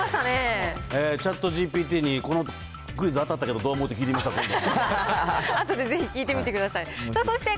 ＣｈａｔＧＰＴに、このクイズ当たったけど、どう思うって聞いてみますか、今度。